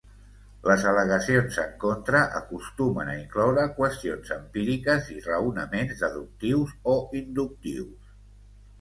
Les al·legacions en contra acostumen a incloure qüestions empíriques i raonaments deductius o inductius.